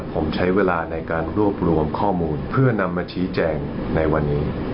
ผมใช้เวลาในการรวบรวมข้อมูลเพื่อนำมาชี้แจงในวันนี้